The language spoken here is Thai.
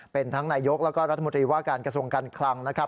เป็นทั้งนายกแล้วก็รัฐมนตรีว่าการกระทรวงการคลังนะครับ